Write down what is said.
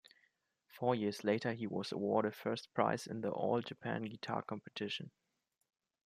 Four years later, he was awarded First Prize in the "All Japan Guitar Competition".